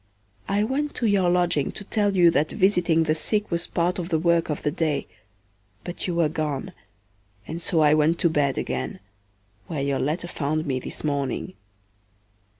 I went to your lodging to tell you that visiting the sick was part of the work of the day, but you were gone, and so I went to bed again, where your letter found me this morning.